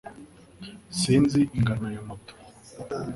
Sinzi ingano ya moto